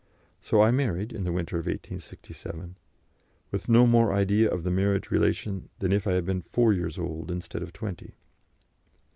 So I married in the winter of 1867 with no more idea of the marriage relation than if I had been four years old instead of twenty.